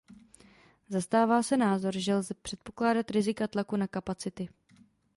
Zastává se názor, že lze předpokládat rizika tlaku na kapacity.